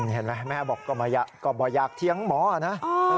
เห็นไหมแม่บอกก็บอกอยากเถียงหมอนะ